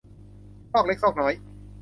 ซอกเล็กซอกน้อย